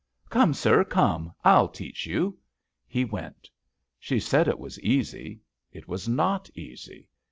"Come, sir, comel I'll teach you!" He went. She said it was easy. It was not easy.